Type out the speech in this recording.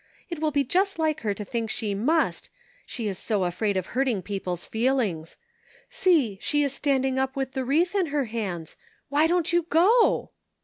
It will be just like her to think she must, she is so afraid of hurting people's feelings. See, she is standing up with the wreath, in her hands. Why don't you go?